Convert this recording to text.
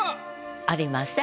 ありません。